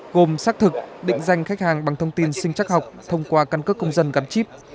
gồm xác thực định danh khách hàng bằng thông tin sinh chắc học thông qua căn cước công dân gắn chip